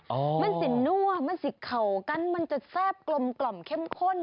มันสินั่วมันสิกเข่ากันมันจะแซ่บกลมกล่อมเข้มข้น